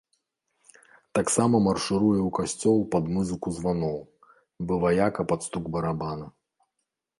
Таксама маршыруе ў касцёл пад музыку званоў, бы ваяка пад стук барабана.